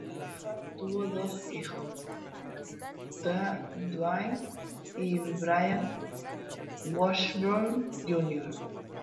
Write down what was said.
La pareja tuvo dos hijos, Dwight y Bryant Washburn Jr.